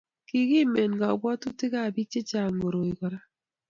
Kikingem kabwatutikab bik chechang koroi kora